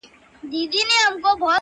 شعرونه نور ورته هيڅ مه ليكه.